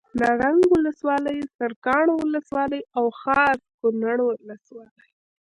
نرنګ ولسوالي سرکاڼو ولسوالي او خاص کونړ ولسوالي